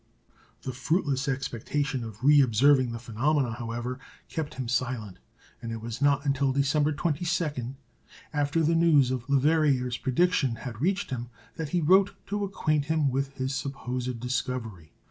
The fruitless expectation of reobserving the phenomenon, however, kept him silent, and it was not until December 22, after the news of Leverrier's prediction had reached him, that he wrote to acquaint him with his supposed discovery.